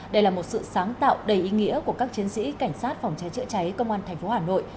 đây là một sự sáng tạo đầy ý nghĩa của các chiến sĩ cảnh sát phòng cháy chữa cháy công an tp hà nội